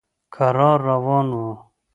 کرار روان و.